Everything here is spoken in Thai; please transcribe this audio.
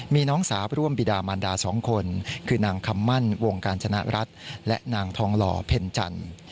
มีน้องสาวร่วมบิดามันดา๒คนคือนางคำมั่นวงการชนะรัฐและนางทองหล่อเพ็ญจันทร์